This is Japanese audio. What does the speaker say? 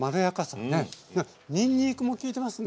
にんにくも利いてますね。